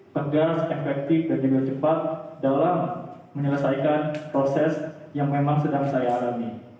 tegas efektif dan juga cepat dalam menyelesaikan proses yang memang sedang saya alami